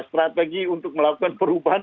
strategi untuk melakukan perubahan